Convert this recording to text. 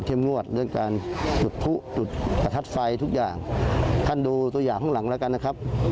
ท่านดูตัวอย่างข้างหลังแล้วกันนะครับ